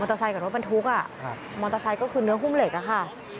เตอร์ไซค์กับรถบรรทุกมอเตอร์ไซค์ก็คือเนื้อหุ้มเหล็กอะค่ะ